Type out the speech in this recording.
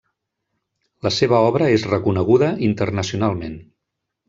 La seva obra és reconeguda internacionalment.